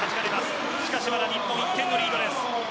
ただし、しかしまだ日本１点のリード。